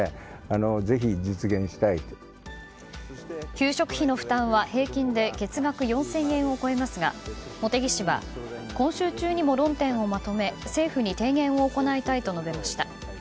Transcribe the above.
給食費の負担は平均で月額４０００円を超えますが茂木氏は今週中にも論点をまとめ政府に提言を行いたいと述べました。